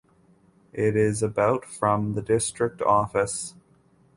It is about from the district office.